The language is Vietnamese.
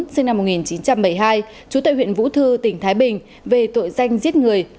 sinh năm một nghìn chín trăm bảy mươi hai trú tại huyện vũ thư tỉnh thái bình về tội danh giết người